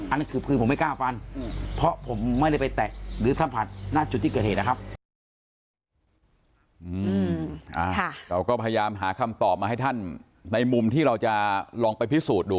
อันนั้นคือผมไม่กล้าฟันเพราะผมไม่ได้ไปแตะหรือสัมผัสหน้าจุดที่เกิดเหตุนะครับ